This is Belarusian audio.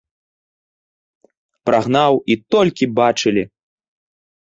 Прагнаў, і толькі бачылі.